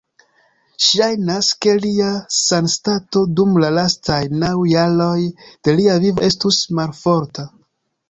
Ŝajnas, ke lia sanstato dum la lastaj naŭ jaroj de lia vivo estus malforta.